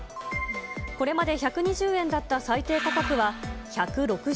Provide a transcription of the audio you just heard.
これまで１２０円だった最低価格は１６０円に。